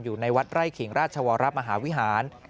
อยู่ในวัดไร่ขิงราชวรมหาวิหาร